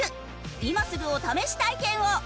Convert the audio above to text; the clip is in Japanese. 今すぐお試し体験を。